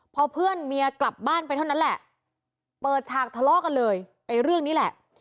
พอเพื่อนเมียกลับบ้านไปเท่านั้นแหละเปิดฉากทะเลาะกันเลยไอ้เรื่องนี้แหละ